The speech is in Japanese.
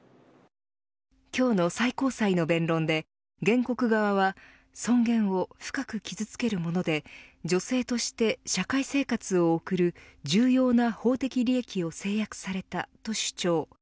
今日の最高裁の弁論で原告側は尊厳を深く傷つけるもので女性として社会生活を送る重要な法的利益を制約されたと主張。